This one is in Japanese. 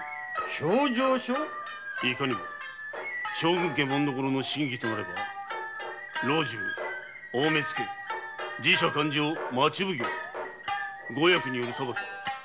将軍家紋所の真偽となれば老中・大目付・寺社・勘定・町奉行五役による裁き。